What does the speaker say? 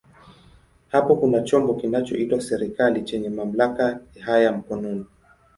Hapo kuna chombo kinachoitwa serikali chenye mamlaka haya mkononi.